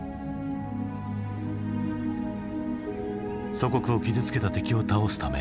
祖国を傷つけた敵を倒すため。